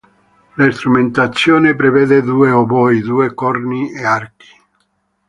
La strumentazione prevede due oboi, due corni e archi.